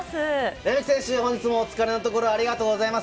レメキ選手もお疲れのところありがとうございます。